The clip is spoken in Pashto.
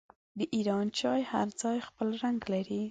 د ایران چای هر ځای خپل رنګ لري.